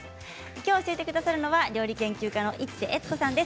きょう教えてくださるのは料理研究家の市瀬悦子さんです。